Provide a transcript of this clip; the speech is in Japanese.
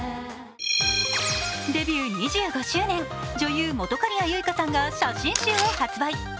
デビュー２５周年、女優・本仮屋ユイカさんが写真集を発売。